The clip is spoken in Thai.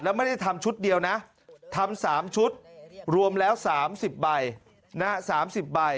แล้วไม่ได้ทำชุดเดียวนะทำ๓ชุดรวมแล้ว๓๐ใบ๓๐ใบ